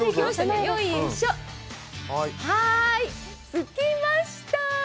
着きました。